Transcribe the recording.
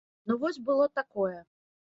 Ну вось было такое.